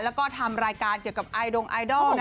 แล้วก็ทำรายการเกี่ยวกับไอดงไอดอล